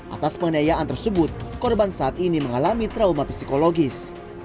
atas penganiayaan tersebut korban saat ini mengalami trauma psikologis